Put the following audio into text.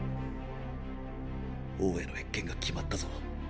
王への謁見が決まったぞ。